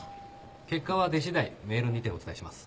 結果は出しだいメールにてお伝えします。